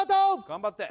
頑張って！